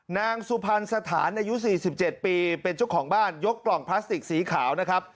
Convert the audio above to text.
นางสุพรรณสถานอายุ๔๗ปีเป็นเจ้าของบ้านยกกล่องพลาสติกสีขาวนะครับ